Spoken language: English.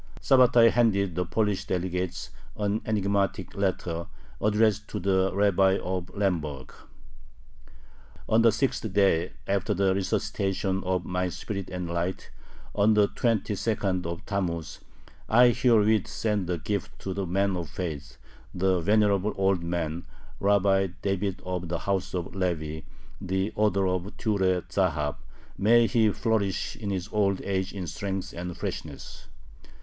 Sabbatai handed the Polish delegates an enigmatic letter, addressed to the Rabbi of Lemberg: On the sixth day after the resuscitation of my spirit and light, on the twenty second of Tammuz.... I herewith send a gift to the man of faith, the venerable old man, Rabbi David of the house of Levi, the author of Ture Zahab may he flourish in his old age in strength and freshness!